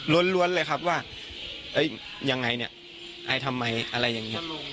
รวดเลยครับว่าไอด์ทำไมอะไรอย่างนี้